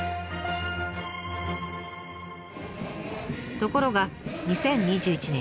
ところが２０２１年２月。